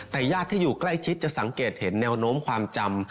แต่ญาติที่อยู่ใกล้ชิดจะสังเกตเห็นแนวโน้มความจำ